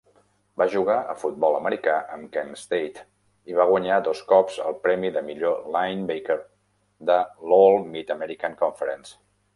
Va jugar a futbol americà amb Kent State, i va guanyar dos cops el premi de millor "linebacker" de la All-Mid-American Conference.